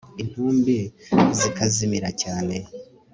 intumbi zikazimira cyane